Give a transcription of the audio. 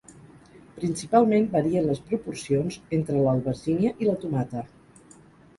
Principalment varien les proporcions entre l'albergínia i la tomata.